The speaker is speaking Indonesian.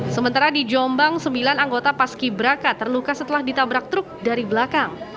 sementara di jombang sembilan anggota paski beraka terluka setelah ditabrak truk dari belakang